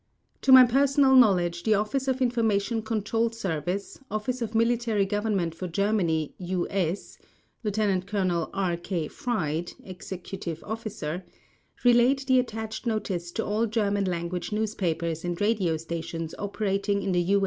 To my personal knowledge the Office of Information Control Service, Office of Military Government for Germany (U.S.), (Lt. Col. R. K. Fried, Executive Officer), relayed the attached notice to all German language newspapers and radio stations operating in the U.